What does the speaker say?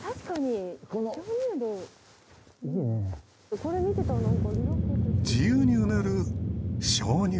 これ見てたら何か。